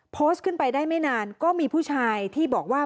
โพสต์ขึ้นไปได้ไม่นานก็มีผู้ชายที่บอกว่า